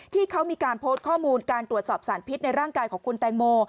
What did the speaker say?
ที่เขามีการโพสต์ข้อมูลการตรวจสอบสารพิษในร่างกายของคุณแตงโม